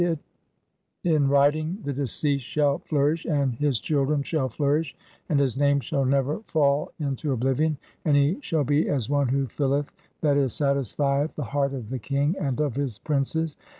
201 BOOK UPON IT [IN WRITING, THE DECEASED] SHALL FLOURISH, AND HIS CHILDREN (5o) SHALL FLOURISH, AND [HIS NAME] SHALL NEVER FALL IN TO OBLIVION, AND HE SHALL BE AS ONE WHO FILLETH (/. E., SATISFIETH) THE HEART OF THE KING AND OF HIS PRINCES.